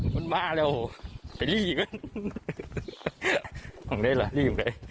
หล่อมได้เหรอรีบเลย